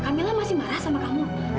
kamilah masih marah sama kamu